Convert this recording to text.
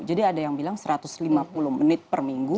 jadi ada yang bilang satu ratus lima puluh menit per minggu